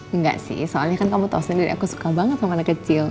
enggak sih soalnya kan kamu tahu sendiri aku suka banget sama anak kecil